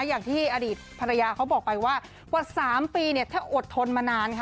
อย่างที่อดีตภรรยาเขาบอกไปว่ากว่า๓ปีเนี่ยแทบอดทนมานานค่ะ